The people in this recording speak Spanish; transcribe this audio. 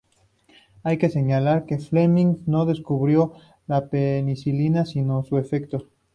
Hay que señalar que Fleming no descubrió la penicilina, sino su efecto.